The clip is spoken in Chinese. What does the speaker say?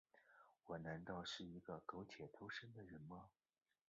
我难道是一个苟且偷生的人吗？